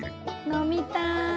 飲みたーい！